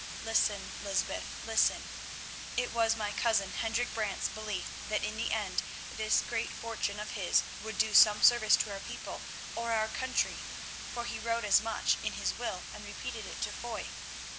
Listen, Lysbeth, listen. It was my cousin, Hendrik Brant's, belief that in the end this great fortune of his would do some service to our people or our country, for he wrote as much in his will and repeated it to Foy.